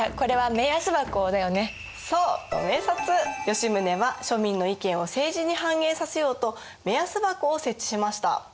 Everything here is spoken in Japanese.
吉宗は庶民の意見を政治に反映させようと目安箱を設置しました。